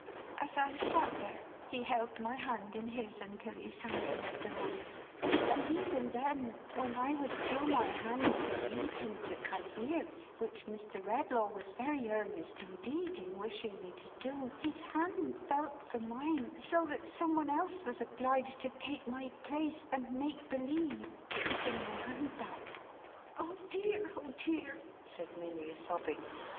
As I sat there, he held my hand in his until he sunk in a doze ; and even then, when I withdrew my hand to leave him to come here (which Mr. Redlaw was very earnest indeed in wishing me to do), his hand felt for mine, so that some one else was obliged to take my place and make believe to give him my hand back. Oh dear, oh dear,11 said Milly, sobbing.